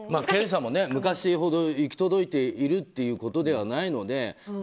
検査も昔ほど行き届いているというわけではないので